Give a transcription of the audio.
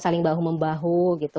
saling bahu membahu gitu